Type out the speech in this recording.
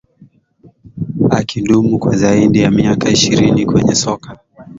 akidumu kwa zaidi ya miaka ishirini kwenye soka